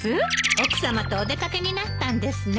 奥さまとお出掛けになったんですね。